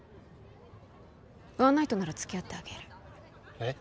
ワンナイトなら付き合ってあげるえっ？